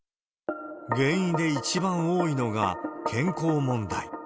原因で一番多いのが健康問題。